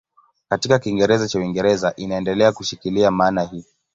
Katika Kiingereza cha Uingereza inaendelea kushikilia maana hii.